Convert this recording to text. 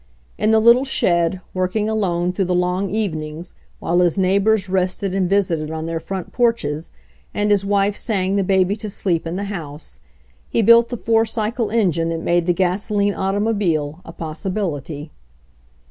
In the little shed, work ing alone through the long evenings, while his neighbors rested and visited on their front porches, and his wife sang the baby to sleep in the house, he built the four cycle engine that made the gasoline automobile a possibility.